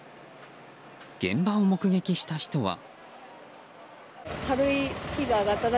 現場を目撃した人は。